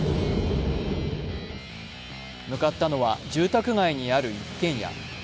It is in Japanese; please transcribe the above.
向かったのは住宅街にある一軒家。